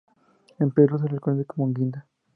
En Perú se lo conoce como guinda.